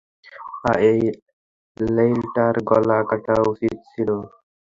আহ, ওই নেউলটার গলা কাটা উচিত ছিল।